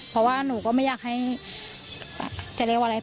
เพราะว่าหนูก็ไม่อยากให้จะเรียกว่าอะไร